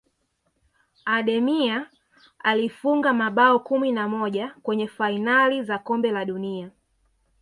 ademir alifunga mabao kumi na moja kwenye fainali za kombe la dunia